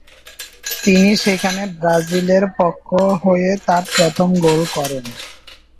তিনি সেখানে ব্রাজিলের পক্ষ হয়ে তার প্রথম গোল করেন।